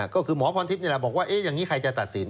ก็คือหมอพรทิพย์นี่แหละบอกว่าอย่างนี้ใครจะตัดสิน